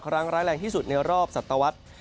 ครั้งร้ายแรงที่สุดในรอบศัตวรรษ